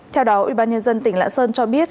theo đó ubnd tỉnh lãn sơn cho biết